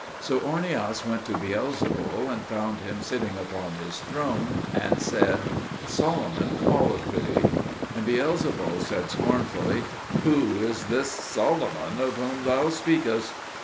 So Ornias went to Beelzebul, and found him sitting upon his throne, and said, "Solomon calleth for thee." And Beelzebul said scornfully, "Who is this Solomon of whom thou speakest?"